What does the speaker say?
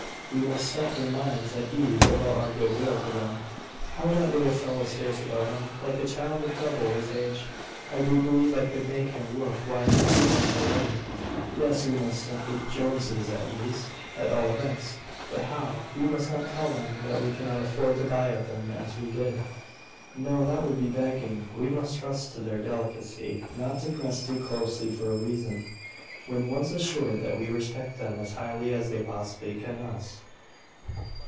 "We must set their minds at ease about our good will to them. How that little fellow stares about him, like a child of double his age! I do believe I could make him look wise at my watch already. Yes, we must set the Joneses at ease, at all events." "But how? We must not tell them that we cannot afford to buy of them as we did." "No; that would be begging. We must trust to their delicacy not to press too closely for a reason, when once assured that we respect them as highly as they possibly can us."